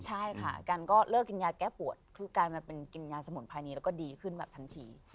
ใช่ค่ะกันก็เลิกกินยาแก้ปวดคือการมาเป็นกินยาสมุนไพรนี้แล้วก็ดีขึ้นแบบทันที